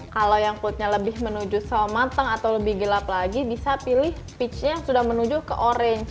kalau yang kulitnya lebih menuju sel mateng atau lebih gelap lagi bisa pilih peachnya yang sudah menuju kewarna